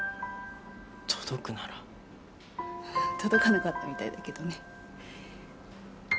届かなかったみたいだけどね。